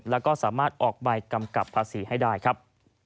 แล้วก็สามารถออกใบกำกับภาษีให้ได้ครับ